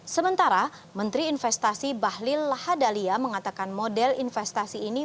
sementara menteri investasi bahlil lahadalia mengatakan model investasi ini